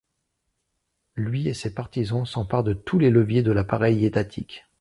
Lui et ses partisans s'emparent de tous les leviers de l'appareil étatique.